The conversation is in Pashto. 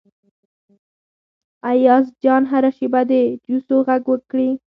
ایاز جان هره شیبه د جوسو غږ وکړي.